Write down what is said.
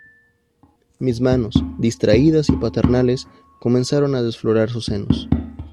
mis manos, distraídas y paternales , comenzaron a desflorar sus senos.